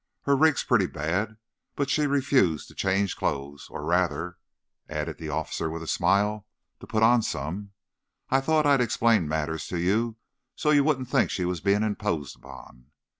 Her rig's pretty bad, but she refused to change clothes—or, rather," added the officer, with a smile, "to put on some. I thought I'd explain matters to you so you wouldn't think she was being imposed upon."